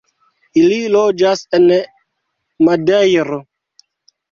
Ili loĝas en Madejro.